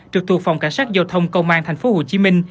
trực thuộc phòng cảnh sát giao thông công an tp hcm